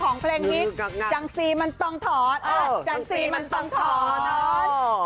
ของเพลงนี้จังสีมันต้องถอนโอ้โฮจังสีมันต้องถอน